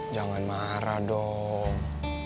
jangan marah dong